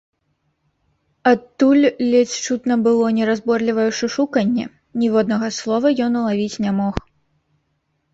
Адтуль ледзь чутна было неразборлівае шушуканне, ніводнага слова ён улавіць не мог.